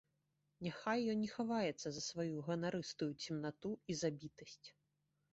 Няхай ён не хаваецца за сваю ганарыстую цемнату і забітасць.